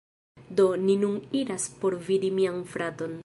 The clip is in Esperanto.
Do, ni nun iras por vidi mian fraton